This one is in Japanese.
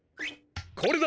これだ。